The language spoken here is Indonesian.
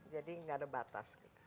jadi tidak ada batas